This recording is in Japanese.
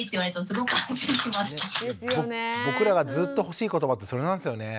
僕らがずっと欲しい言葉ってそれなんですよね。